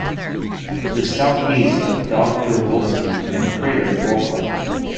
To the southeast of Dobrovol'sky is the crater Volkov.